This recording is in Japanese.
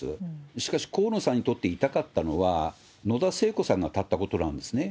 しかし、河野さんにとって痛かったのは、野田聖子さんが立ったことなんですね。